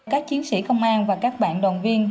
các chiến sĩ công an và các bạn đồng viên